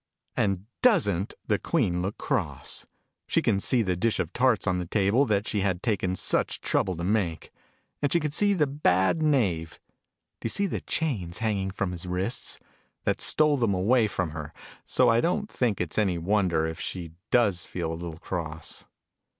And doesn't the Queen look cross? She can see the dish of tarts on the table, that she had taken such trouble to make. And she can see the bad Knave ( do you see the chains hanging from his wrists ?) that stole them away from her : so I don't think it's any wonder if she does feel a little cross.